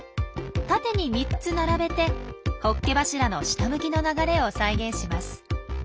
縦に３つ並べてホッケ柱の下向きの流れを再現します。